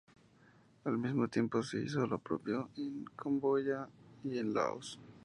Al mismo tiempo se hizo lo propio en Camboya y en Laos.